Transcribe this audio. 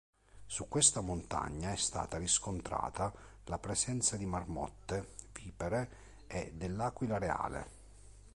Su questa montagna è stata riscontrata la presenza di marmotte, vipere e dell'aquila reale.